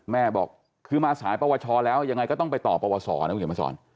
แม่บอกคือมาสายปวชแล้วยังไงก็ต้องไปต่อปวศนะผู้เห็นประส่อน